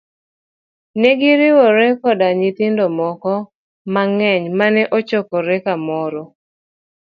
Negiriwore koda nyithindo moko mang'eny mane ochokore kamoro.